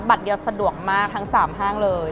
บัตรเดียวสะดวกมากทั้งสามห้างเลย